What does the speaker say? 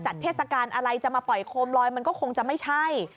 เทศกาลอะไรจะมาปล่อยโคมลอยมันก็คงจะไม่ใช่